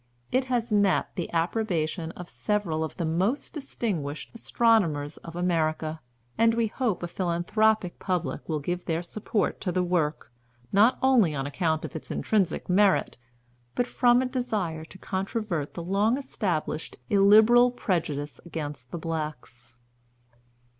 It has met the approbation of several of the most distinguished astronomers of America; and we hope a philanthropic public will give their support to the work, not only on account of its intrinsic merit, but from a desire to controvert the long established illiberal prejudice against the blacks."